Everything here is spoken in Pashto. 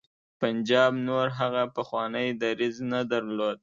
پنجاب نور هغه پخوانی دریځ نه درلود.